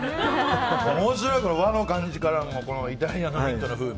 面白い、和のの感じからのイタリアのミントの風味。